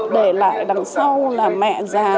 để lại đằng sau là mẹ già